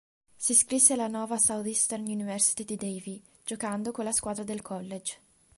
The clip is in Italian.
Si iscrisse alla Nova Southeastern University di Davie, giocando con la squadra del college.